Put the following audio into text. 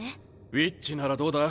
ウィッチならどうだ？